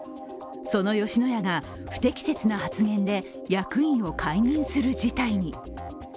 その吉野家が不適切な発言で役員を解任する事態に。